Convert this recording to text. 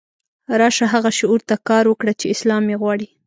راشه هغه شعور ته کار وکړه چې اسلام یې غواړي.